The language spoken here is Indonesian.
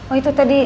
oh itu tadi